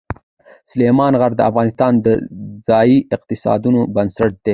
سلیمان غر د افغانستان د ځایي اقتصادونو بنسټ دی.